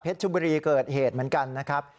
ชุบุรีเกิดเหตุเหมือนกันนะครับ